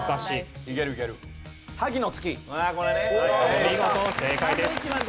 お見事正解です。